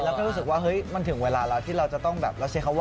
แล้วก็รู้สึกว่ามันถึงเวลาแล้วที่เราต้องแบบ